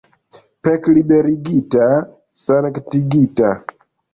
Pekliberigita, sanktigita!